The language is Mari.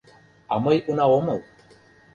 — А мый уна омыл.